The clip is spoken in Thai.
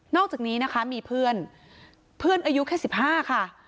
อกจากนี้นะคะมีเพื่อนเพื่อนอายุแค่๑๕ค่ะ